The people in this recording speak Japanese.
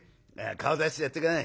顔出してやって下さい」。